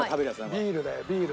ビールだよビール。